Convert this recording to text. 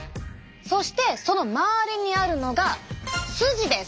そしてその周りにあるのがスジです。